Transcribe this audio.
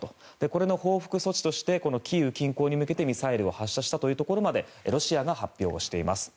これの報復措置としてキーウ近郊に向けてミサイルを発射したというところまでロシアが発表しています。